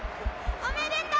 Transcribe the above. おめでとう！